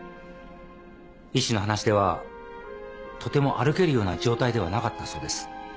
医師の話ではとても歩けるような状態ではなかったそうです。